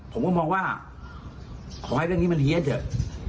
ผมก็มองว่าขอให้เรื่องนี้มันเฮียเถอะ